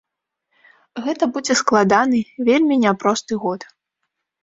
Гэта будзе складаны, вельмі няпросты год.